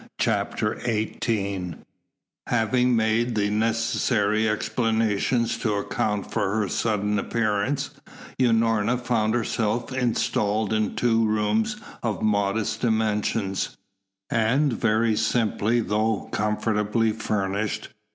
CHAPTER XVIII Having made the necessary explanations to account for her sudden appearance, Unorna found herself installed in two rooms of modest dimensions, and very simply though comfortably furnished.